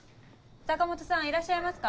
坂本さんいらっしゃいますか？